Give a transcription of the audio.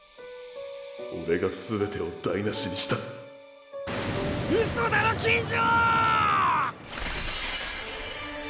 オレが全てを台なしにしたウソだろ金城！